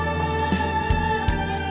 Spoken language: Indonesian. jangan lupa untuk mencoba